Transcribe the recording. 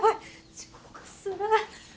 遅刻する。